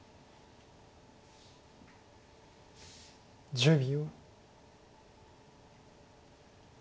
１０秒。